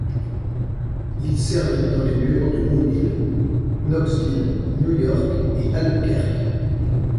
Il servit dans les bureaux de Mobile, Knoxville, New York, et Albuquerque.